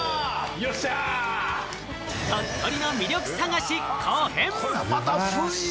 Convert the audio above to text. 鳥取の魅力探し、後編。